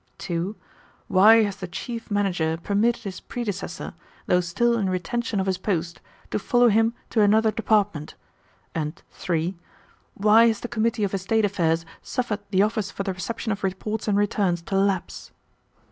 (2) "Why has the Chief Manager permitted his predecessor, though still in retention of his post, to follow him to another Department?" and (3) "Why has the Committee of Estate Affairs suffered the Office for the Reception of Reports and Returns to lapse?"